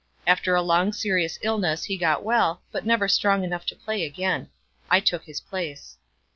After a long serious illness he got well, but never strong enough to play again. I took his place.